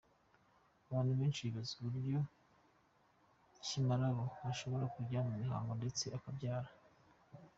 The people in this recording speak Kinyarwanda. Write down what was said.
Abantu benshi bibaza uburyo ki amarobo ashobora kujya mu mihango ndetse akabyara.